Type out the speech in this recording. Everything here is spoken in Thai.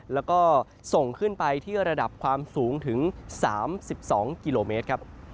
แล้วก็ส่งขึ้นไปที่ระดับความสูงถึง๓๒กิโลเมตรครับ